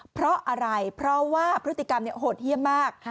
เพราะอะไรเพราะว่าพฤติกรรมโหดเยี่ยมมาก